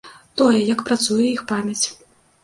Тое, як працуе іх памяць.